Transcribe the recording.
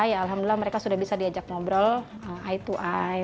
ya alhamdulillah mereka sudah bisa diajak ngobrol eye to eye